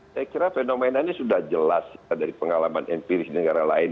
saya kira fenomena ini sudah jelas dari pengalaman empiris di negara lain